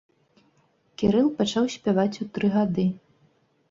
Кірыл пачаў спяваць у тры года.